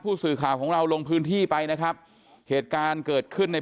ผู้สื่อข่าวของเราลงพื้นที่ไปนะครับเหตุการณ์เกิดขึ้นใน